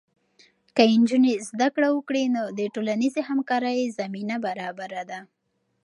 که نجونې زده کړه وکړي، نو د ټولنیزې همکارۍ زمینه برابره ده.